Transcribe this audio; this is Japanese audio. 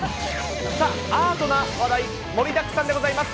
さあ、アートな話題、盛りだくさんでございます。